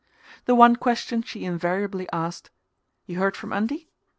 The one question she invariably asked: "You heard from Undie?"